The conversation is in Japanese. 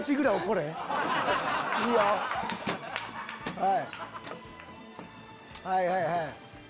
はいはいはいはい。